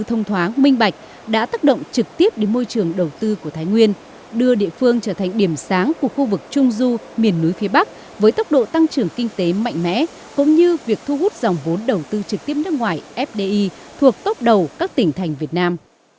thông thóa minh bạch đã tác động trực tiếp đến môi trường đầu tư của thái nguyên đưa địa phương trở thành điểm sáng của khu vực trung du miền núi phía bắc với tốc độ tăng trưởng kinh tế mạnh mẽ cũng như việc thu hút dòng vốn đầu tư trực tiếp nước ngoài fdi thuộc tốc đầu các tỉnh thành việt nam